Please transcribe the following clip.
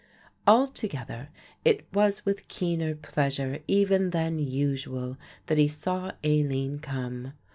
Altogether it was with keener pleasure even than usual that he saw Aline come.